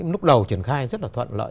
lúc đầu chuyển khai rất là thuận lợi